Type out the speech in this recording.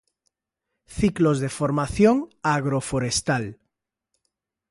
Ciclos de formación agroforestal.